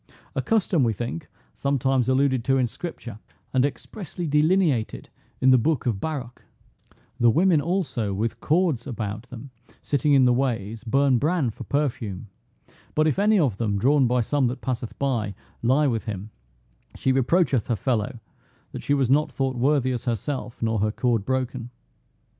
A custom, we think, some times alluded to in scripture, and expressly delineated in the book of Baruch: "The women also, with cords about them, sitting in the ways, burn bran for perfume; but, if any of them, drawn by some that passeth by, lie with him, she reproacheth her fellow that she was not thought worthy as herself, nor her cord broken."